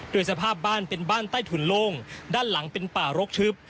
โดยสภาพบ้านเป็นบ้านใต้ถุนโล่งด้านหลังเป็นป่ารกทึบ